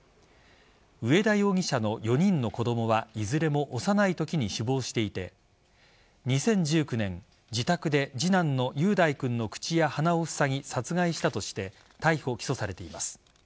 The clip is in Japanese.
上田容疑者の４人の子供はいずれも幼いときに死亡していて２０１９年、自宅で次男の雄大君の口や鼻をふさぎ殺害したとして逮捕・起訴されています。